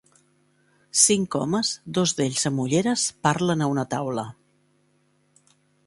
Cinc homes, dos d'ells amb ulleres, parlen a una taula.